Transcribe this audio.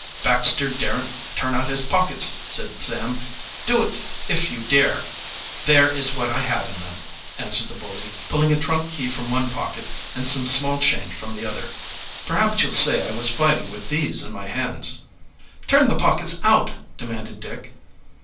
"Baxter daren't turn out his pockets," said Sam, "Do it if you dare." "There is what I have in them," answered the bully, pulling a trunk key from one pocket and some small change from the other. "Perhaps you'll say I was fighting with these in my hands." "Turn the pockets, out!" demanded Dick.